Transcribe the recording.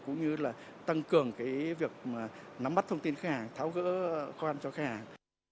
cũng như là tăng cường việc nắm bắt thông tin khách hàng tháo gỡ khoan cho khách hàng